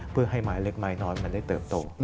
เพื่อให้ไม้เล็กไม้น้อยมันได้เติบโต